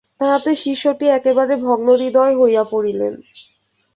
তাহাতে শিষ্যটি একেবারে ভগ্নহৃদয় হইয়া পড়িলেন।